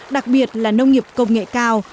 đặc biệt là nông nghiệp công nghệ cao